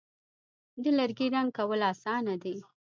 د لرګي رنګ کول آسانه دي.